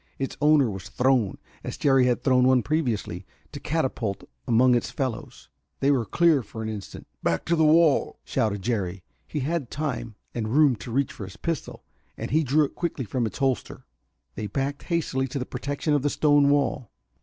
Its owner was thrown, as Jerry had thrown one previously, to catapult among its fellows. They were clear for an instant. "Back to the wall!" shouted Jerry. He had time and room to reach for his pistol, and drew it quickly from its holster. They backed hastily to the protection of the stone wall.